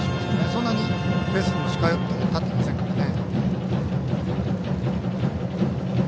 そんなにベースに近寄って立っていませんからね。